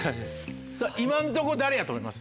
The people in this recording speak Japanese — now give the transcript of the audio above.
さぁ今んとこ誰やと思います？